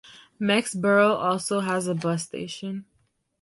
Mexborough also has a bus station.